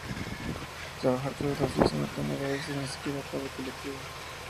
Trabajar todos los días y no tener a veces ni siquiera para el colectivo.